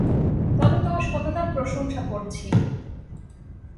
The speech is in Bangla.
তবে তোমার সততার প্রশংসা করছি।